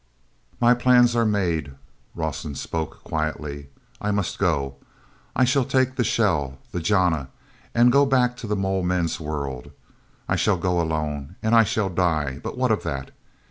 y plans are made," Rawson spoke quietly. "I must go. I shall take the shell—the jana—and go back to the mole men's world. I shall go alone, and I shall die, but what of that?"